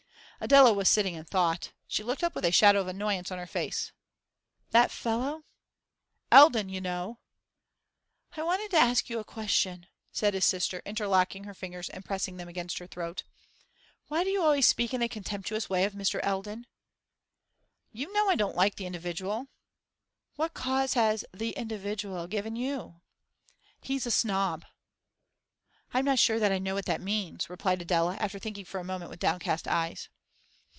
Adela was sitting in thought; she looked up with a shadow of annoyance on her face. 'That fellow?' 'Eldon, you know.' 'I want to ask you a question,' said his sister, interlocking her fingers and pressing them against her throat. 'Why do you always speak in a contemptuous way of Mr. Eldon?' 'You know I don't like the individual.' 'What cause has "the individual" given you?' 'He's a snob.' 'I'm not sure that I know what that means,' replied Adela, after thinking for a moment with downcast eyes.